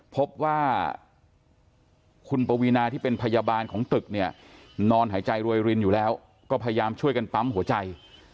พบว่าคุณปวีนาที่เป็นพยาบาลของตึกเนี่ยนอนหายใจรวยรินอยู่แล้วก็พยายามช่วยกันปั๊มหัวใจ